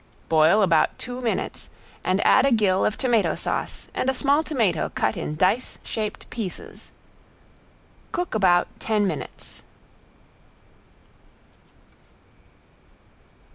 Boil about two minutes and add a gill of tomato sauce and a small tomato cut in dice shaped pieces. Cook about ten minutes.